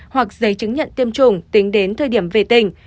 hoặc giấy chứng nhận tiêm chủng tính đến thời điểm về tỉnh